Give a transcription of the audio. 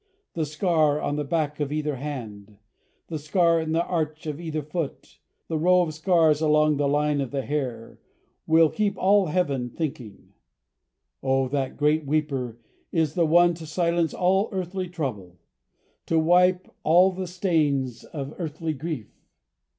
The scar on the back of either hand, the scar in the arch of either foot, the row of scars along the line of the hair, will keep all Heaven thinking. Oh, that Great Weeper is the One to silence all earthly trouble, to wipe all the stains of earthly grief.